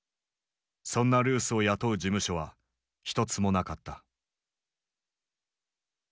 そんなルースを雇う事務所は一つもなかった。